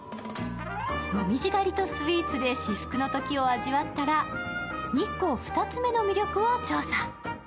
紅葉狩りとスイーツで至福の時を味わったら日光２つ目の魅力を調査。